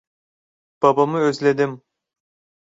Babamı özledim.